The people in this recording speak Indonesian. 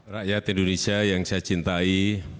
rakyat indonesia yang saya cintai